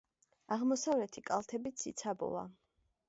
აღმოსავლეთი კალთები ციცაბოა.